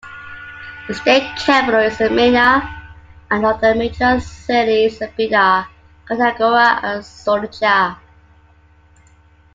The state capital is Minna, and other major cities are Bida, Kontagora, and Suleja.